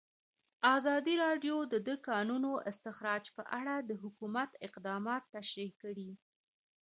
ازادي راډیو د د کانونو استخراج په اړه د حکومت اقدامات تشریح کړي.